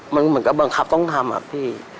มันก็บังคับต้องทำอ่ะพี่